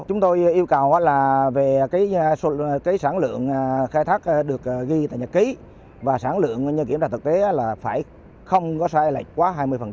chúng tôi yêu cầu là về sản lượng khai thác được ghi tại nhật ký và sản lượng như kiểm tra thực tế là phải không có sai lệch quá hai mươi